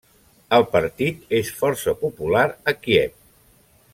El partit és força popular a Kíev.